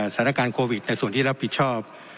สถานการณ์โควิดในส่วนที่รับผิดชอบ